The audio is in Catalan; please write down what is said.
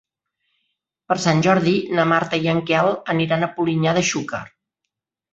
Per Sant Jordi na Marta i en Quel aniran a Polinyà de Xúquer.